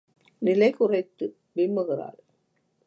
நிலை குறித்து விம்முகிறாள்.